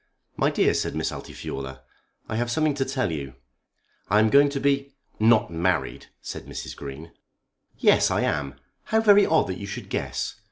"My dear," said Miss Altifiorla, "I have something to tell you. I am going to be " "Not married!" said Mrs. Green. "Yes, I am. How very odd that you should guess.